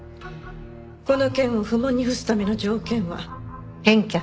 この件を不問に付すための条件は「返却」。